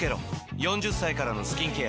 ４０歳からのスキンケア